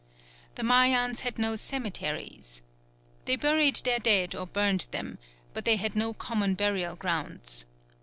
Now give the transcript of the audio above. The Mayans had no cemeteries. They buried their dead or burned them; but they had no common burial grounds.